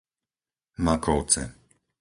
Makovce